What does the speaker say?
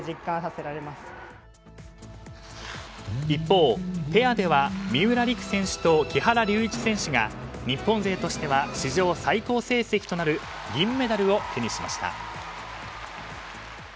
一方、ペアでは三浦璃来選手と木原龍一選手が日本勢としては史上最高成績となる銀メダルを手にしました。